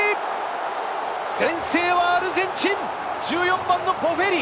先制はアルゼンチン、１４番のボフェリ。